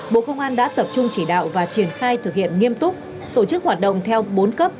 bộ công an đã tập trung chỉ đạo và triển khai thực hiện nghiêm túc tổ chức hoạt động theo bốn cấp